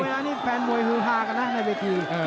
นี้แฟนมวยฮือฮากันนะในเวที